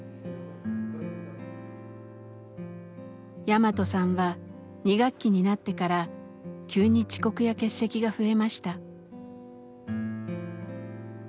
ヤマトさんは２学期になってから急に遅刻や欠席が増えました。